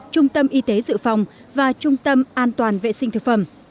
trung tâm y tế dự phòng và trung tâm an toàn vệ sinh thực phẩm